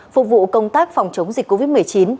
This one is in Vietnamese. phục vụ công tác phòng chống dịch covid một mươi chín